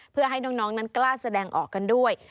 เพื่อให้น้องนั้นกล้าแสดงออกกันด้วย